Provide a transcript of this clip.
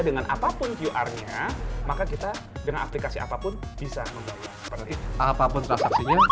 dengan apapun qr nya maka kita dengan aplikasi apapun bisa membeli apapun transaksinya